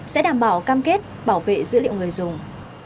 sẽ đảm bảo cam kết bảo vệ dữ liệu người dùng